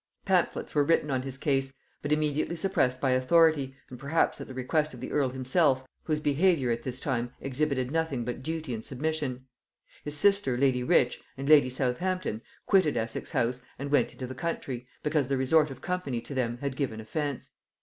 Pamphlets were written on his case, but immediately suppressed by authority, and perhaps at the request of the earl himself, whose behaviour at this time exhibited nothing but duty and submission. His sister lady Rich, and lady Southampton, quitted Essex house and went into the country, because the resort of company to them had given offence.